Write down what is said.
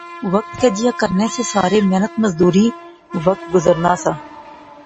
بخت کجیا کرنے سے سارے، محنت مزدوری، وقت گزرنا سا